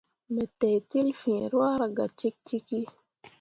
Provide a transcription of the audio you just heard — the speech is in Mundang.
Me teitel fiŋ ruahra cikcik.